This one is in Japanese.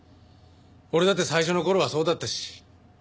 俺だって最初の頃はそうだったし。